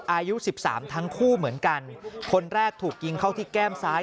อายุสิบสามทั้งคู่เหมือนกันคนแรกถูกยิงเข้าที่แก้มซ้าย